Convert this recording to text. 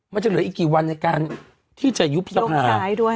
มันจะเหลืออีกกี่วันในการที่จะยุบสภาด้วย